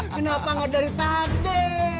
kenapa nggak dari tadi